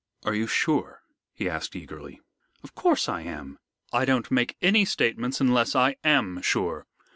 "Are you sure?" he asked eagerly. "Of course I am. I don't make any statements unless I am sure.